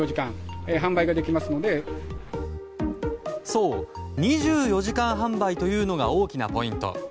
そう、２４時間販売というのが大きなポイント。